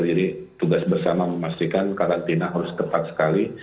jadi tugas bersama memastikan karantina harus ketat sekali